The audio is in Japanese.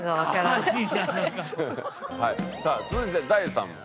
さあ続いて第３問。